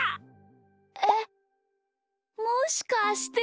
えっもしかして。